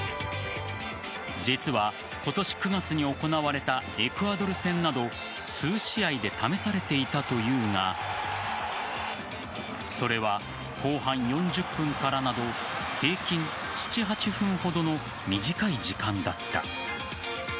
実は今年９月に行われたエクアドル戦など数試合で試されていたというがそれは後半４０分からなど平均７８分ほどの短い時間だった。